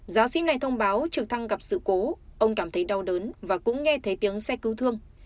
giáo sĩ này thông báo trực thăng gặp sự cố ông cảm thấy đau đớn và cũng nghe thấy tiếng xe cứu thương